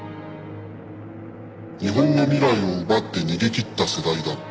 日本の未来を奪って逃げ切った世代だ。